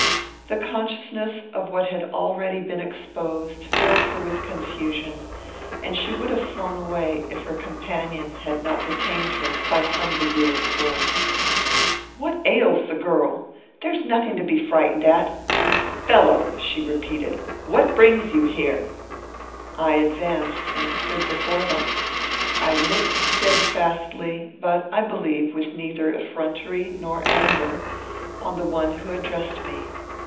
The consciousness of what had already been exposed filled her with confusion, and she would have flown away, if her companion had not detained her by some degree of force. "What ails the girl? There's nothing to be frightened at. Fellow!" she repeated, "what brings you here?" I advanced and stood before them. I looked steadfastly, but, I believe, with neither effrontery nor anger, on the one who addressed me.